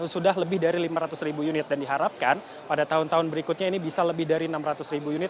sudah lebih dari lima ratus ribu unit dan diharapkan pada tahun tahun berikutnya ini bisa lebih dari enam ratus ribu unit